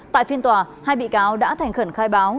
tại phiên tòa hai bị cáo đã thành khẩn khai báo